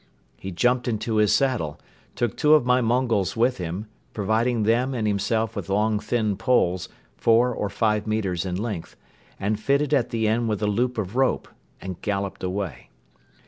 He jumped into his saddle, took two of my Mongols with him, providing them and himself with long thin poles, four or five metres in length, and fitted at the end with a loop of rope, and galloped away.